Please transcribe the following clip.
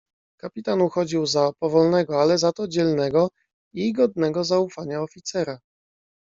"Kapitan uchodził za powolnego ale za to dzielnego i godnego zaufania oficera."